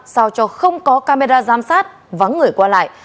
sao cho không có camera giám sát vắng người qua lại